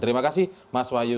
terima kasih mas wayu rustiawan